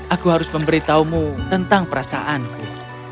aku harus memberitahumu tentang perasaanku